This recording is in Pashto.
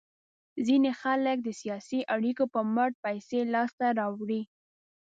ځینې خلک د سیاسي اړیکو په مټ پیسې لاس ته راوړي.